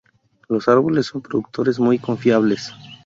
Los árboles son productores muy confiables.